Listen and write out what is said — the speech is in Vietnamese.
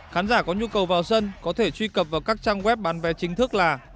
khán giả có nhu cầu vào sân có thể truy cập vào các trang web bán vé chính thức là